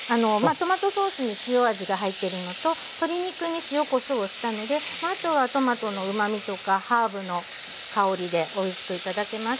トマトソースに塩味が入ってるのと鶏肉に塩・こしょうをしたのであとはトマトのうまみとかハーブの香りでおいしく頂けます。